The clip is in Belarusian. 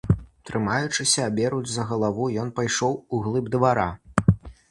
Трымаючыся аберуч за галаву, ён пайшоў у глыб двара.